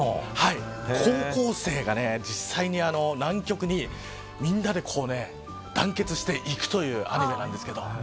高校生が実際に南極にみんなで団結していくというアニメなんですが。